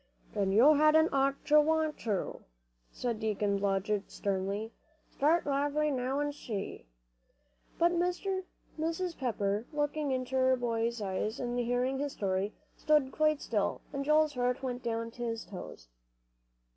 "Then you hadn't ought to want to," said Deacon Blodgett, sternly. "Start lively, now, and see." But Mrs. Pepper, looking into her boy's eyes, and hearing his story, stood quite still, and Joel's heart went down to his toes.